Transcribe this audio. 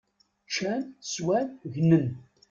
Ččan swan gnen!